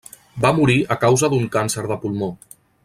Va morir a causa d'un càncer de pulmó.